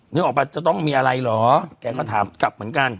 นึกออกป่ะจะต้องมีอะไรเหรอแกก็ถามกลับเหมือนกัน